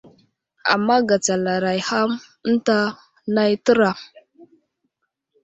Ama gatsalaray ham eŋta nay təra.